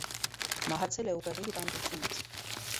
Մահացել է ուղեղի հիվանդությունից։